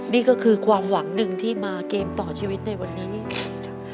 นี่ก็คือความหวังหนึ่งที่มาเกมต่อชีวิตในวันนี้ครับ